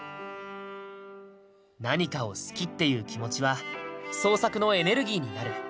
何かを好きっていう気持ちは創作のエネルギーになる。